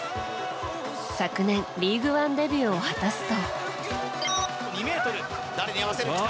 昨年、リーグワンデビューを果たすと。